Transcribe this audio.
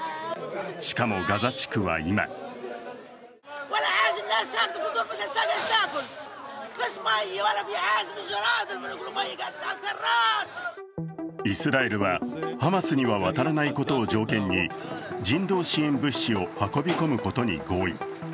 しかも、ガザ地区は今イスラエルはハマスには渡らないことを条件に人道支援物資を運び込むことに合意。